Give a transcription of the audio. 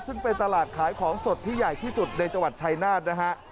ซึ่งเป็นตลาดขายของสดที่ใหญ่ที่สุดในจังหวัดชายนาฏนะฮะ